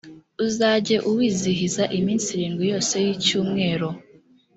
uzajye uwizihiza iminsi irindwi yose y’icyumwero,